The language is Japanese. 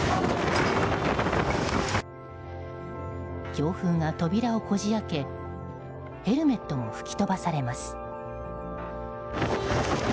強風が扉をこじ開けヘルメットも吹き飛ばされます。